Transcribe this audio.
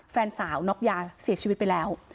แฟนสาวน็อกยาเสียชีวิตไปแล้ว